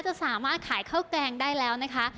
จะสามารถขายข้าวแกงได้แล้วนะคะ